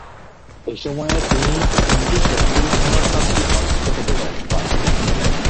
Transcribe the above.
এ সময়ে তিনি তিনটি সেঞ্চুরিসহ সাতটি অর্ধ-শতকের দেখা পান।